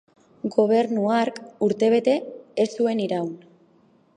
Gobernu hark urtebete ere ez zuen iraun.